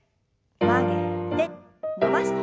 曲げて伸ばして。